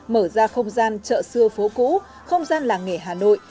mở ra không gian chợ xưa phố cũ không gian làng nghề hà nội